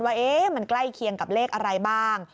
ว่ามันใกล้เคียงกับเลขอะไรบ้าง